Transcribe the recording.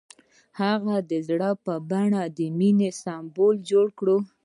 هغه د زړه په بڼه د مینې سمبول جوړ کړ.